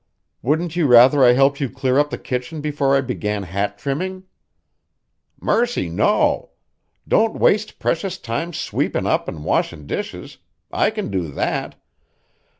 "Wouldn't you rather I helped you clear up the kitchen before I began hat trimming?" "Mercy, no! Don't waste precious time sweepin' up an' washin' dishes; I can do that.